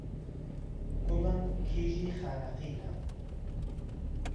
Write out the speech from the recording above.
گوڵم کیژی خانهقینه